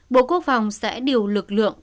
bộ quốc phòng sẽ điều lực lượng